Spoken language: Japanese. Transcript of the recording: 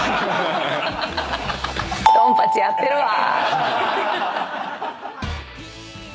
「ドンパチやってるわ」